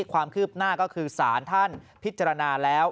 ความคืบหน้าก็คือสารท่านพิจารณาแล้ว